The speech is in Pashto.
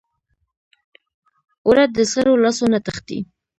اوړه د سړو لاسو نه تښتي